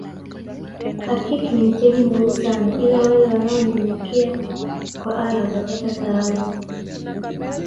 Hakik ni mtihani mgumu sana ila wale wanaonyenyekea kw allah watapata thawabu